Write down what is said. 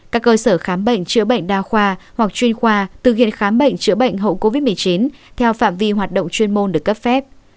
các cơ sở khám bệnh chữa bệnh đa khoa hoặc chuyên khoa thực hiện khám bệnh chữa bệnh hậu covid một mươi chín theo phạm vi hoạt động chuyên môn được cấp phép